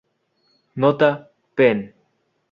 Nota: "pen.